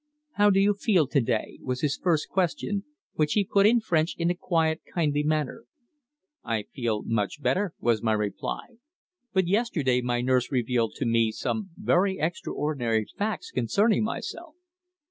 "How do you feel to day?" was his first question, which he put in French in a quiet, kindly manner. "I feel much better," was my reply. "But yesterday my nurse revealed to me some very extraordinary facts concerning myself."